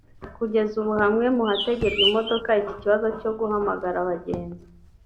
Kugeza ubu hamwe mu hategerwa imodoka iki kibazo cyo guhamagara abagenzi